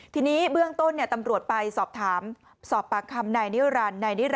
ทีนี้เบื้องต้นตำรวจไปสอบถามสอบปากคำนายนิรันดิ์